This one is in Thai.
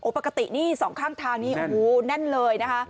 ปกตินี่สองข้างทางนี้โอ้โหแน่นเลยนะคะ